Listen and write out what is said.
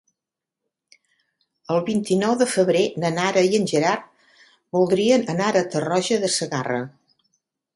El vint-i-nou de febrer na Nara i en Gerard voldrien anar a Tarroja de Segarra.